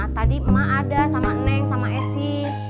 tadi emak ada sama neng sama esi